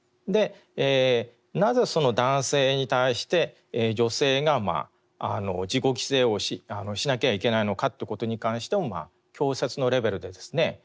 なぜその男性に対して女性が自己犠牲をしなきゃいけないのかということに関しても教説のレベルでですね